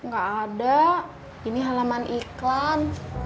gak ada ini halaman iklan